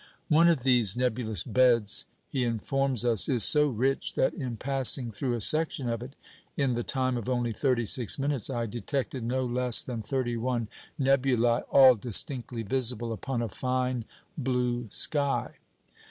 "One of these nebulous beds," he informs us, "is so rich that in passing through a section of it, in the time of only thirty six minutes, I detected no less than thirty one nebulæ, all distinctly visible upon a fine blue sky."